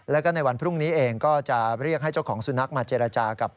แล้วก็ในวันพรุ่งนี้เองก็จะเรียกให้เจ้าของสุนัขมาเจรจากับ